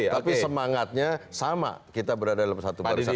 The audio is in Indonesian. tapi semangatnya sama kita berada dalam satu bersama